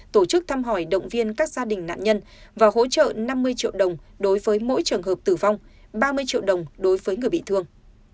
tổ chức thăm hỏi động viên các gia đình nạn nhân và hỗ trợ năm mươi triệu đồng đối với mỗi trường hợp tử vong ba mươi triệu đồng đối với người bị thương